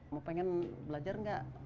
mau pengen belajar nggak